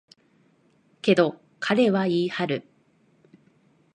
けど、彼は言い張る。